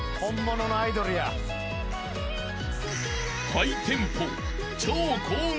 ［ハイテンポ］